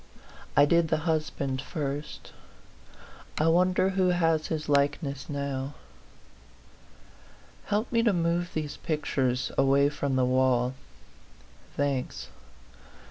I did the husband first ; I wonder who has his likeness now? Help me to move these pictures away from the wall. Thanks.